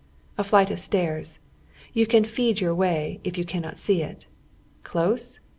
A flight of stairs, Yoh can feel your way, if you cannot see it. Close